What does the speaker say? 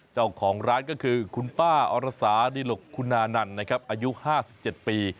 เจ้าของร้านก็คือคุณป้าอรสาดิหลกคุณานันนะครับอายุ๕๗ปี